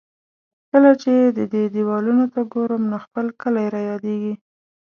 کله چې د دې دېوالونو ته ګورم، نو خپل کلی را یادېږي.